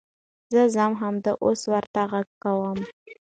زه ځم همدا اوس ورته غږ کوم .